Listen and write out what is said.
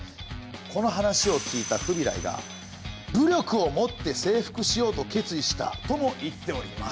この話を聞いたフビライが「武力をもって征服しようと決意した」とも言っております。